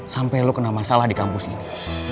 sampai lu kena masalah di kampus ini